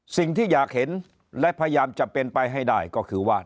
สิ่งที่อยากเห็นและพยายามจะเป็นไปให้ได้ก็คือว่า